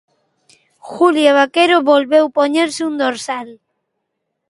Julia Vaquero volveu poñerse un dorsal.